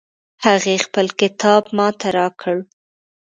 هغې خپل کتاب ما ته راکړ